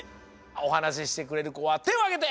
おはなししてくれるこはてをあげて！